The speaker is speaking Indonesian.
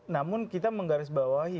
namun kita menggarisbawahi